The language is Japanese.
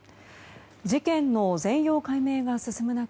事件の全容解明が進む中